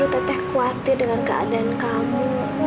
teteh khawatir dengan keadaan kamu